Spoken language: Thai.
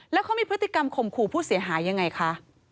แล้วเขามีพฤติกรรมข่มขู่ผู้เสียหายยังไงคะ